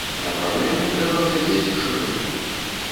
На праблему трэба глядзець шырэй.